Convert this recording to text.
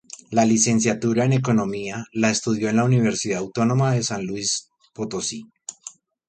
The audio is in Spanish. La licenciatura en economía la estudió en la Universidad Autónoma de San Luis Potosí.